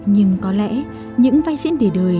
nhưng có lẽ những vai diễn đề đời